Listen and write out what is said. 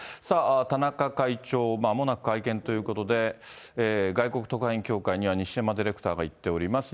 田中会長、まもなく会見ということで、外国特派員協会には西山ディレクターが行っています。